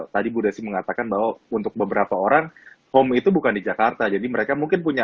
tadi bu desi mengatakan bahwa untuk beberapa orang home itu bukan di jakarta jadi mereka mungkin punya